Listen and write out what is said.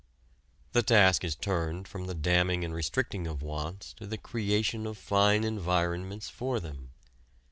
The task is turned from the damming and restricting of wants to the creation of fine environments for them.